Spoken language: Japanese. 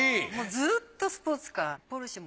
ずっとスポーツカー。